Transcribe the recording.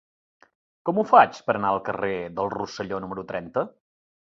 Com ho faig per anar al carrer del Rosselló número trenta?